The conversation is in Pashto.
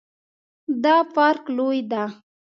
دا پارک لوی ده